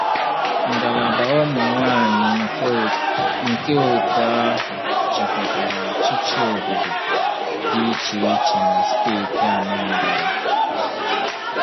Ngalaba ụmụnwaanyị nke òtù ahụ jikọtara ọchịchị obodo dị iche iche na steeti Anambra